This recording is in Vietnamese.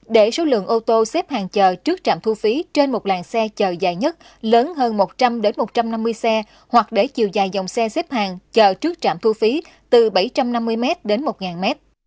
để số lượng ô tô xếp hàng chờ trước trạm thu phí trên một làng xe chờ dài nhất lớn hơn một trăm linh một trăm năm mươi xe hoặc để chiều dài dòng xe xếp hàng chờ trước trạm thu phí từ bảy trăm năm mươi m đến một m